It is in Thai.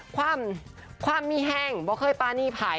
ความไม่แห้งเพราะเข้าป้านี่ไผร